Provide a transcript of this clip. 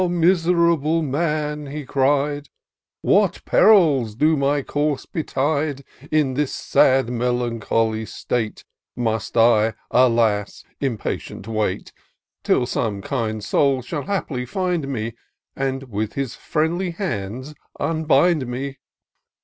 miserable man," he cried, " What perils do my course betide ! In this sad melancholy state, Must I, alas ! impatient wait. Till some kind soul shall haply find me. And with his friendly hands unbind me